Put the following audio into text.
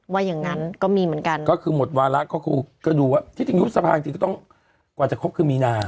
อย่างนั้นก็มีเหมือนกันก็คือหมดวาระก็คงก็ดูว่าที่จริงยุบสภาจริงก็ต้องกว่าจะครบคือมีนา